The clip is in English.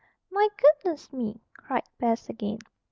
"My goodness me!" cried Bess again.